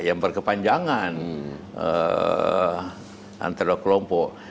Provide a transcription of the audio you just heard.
yang berkepanjangan antara kelompok